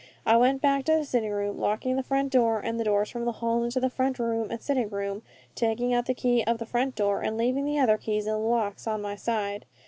I went back to the sitting room, locking the front door and the doors from the hall into the front room and sitting room, taking out the key of the front door, and leaving the other keys in the locks, on my side.